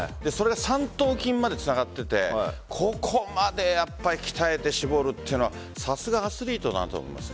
三頭筋までつながっていてここまで鍛えて絞るっていうのはさすがアスリートだなと思います。